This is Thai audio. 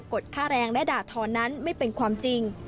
ดค่าแรงและด่าทอนั้นไม่เป็นความจริง